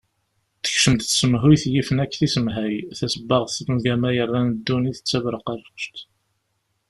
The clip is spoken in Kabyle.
Tekcem-d tsemhuyt yifen akk tisemhay, tasebbaɣt n ugama yerran ddunit d taberqact.